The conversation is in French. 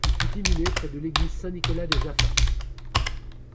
Il fut inhumé près de l'église Saint-Nicolas de Jaffa.